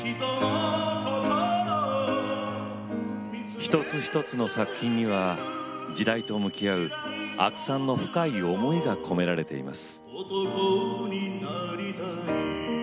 一つ一つの作品には時代と向き合う阿久さんの深い思いが込められています。